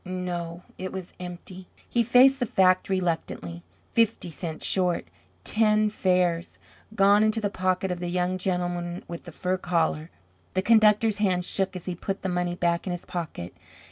No, it was empty! He faced the fact reluctantly. Fifty cents short, ten fares! Gone into the pocket of the young gentleman with the fur collar! The conductor's hand shook as he put the money back in his pocket.